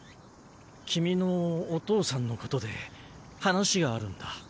君のお父さんの事で話があるんだ。